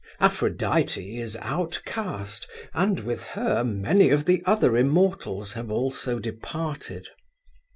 Aphrodite is outcast and with her many of the other immortals have also departed.